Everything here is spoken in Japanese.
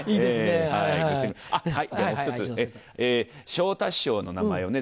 昇太師匠の名前をね